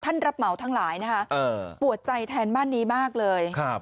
ท่านรับเหมาทั้งหลายนะฮะปวดใจแทนบ้านนี้มากเลย